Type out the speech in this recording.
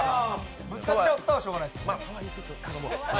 ぶつかっちゃったらしようがないですよね。